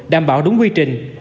đảm bảo đúng quy trình